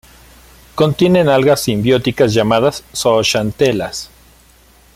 Contienen algas simbióticas llamadas zooxantelas.